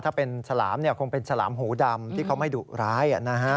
ถ้าเป็นฉลามคงเป็นฉลามหูดำที่เขาไม่ดุร้าย